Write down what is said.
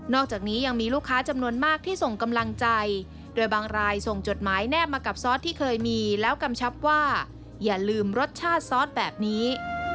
อกจากนี้ยังมีลูกค้าจำนวนมากที่ส่งกำลังใจโดยบางรายส่งจดหมายแนบมากับซอสที่เคยมีแล้วกำชับว่าอย่าลืมรสชาติซอสแบบนี้